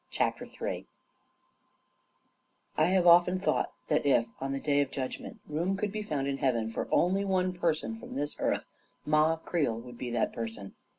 CHAPTER III I have often thought that if, on the Day of Judg ment, room could be found in Heaven for only one person from this earth, Ma Creel would be that person.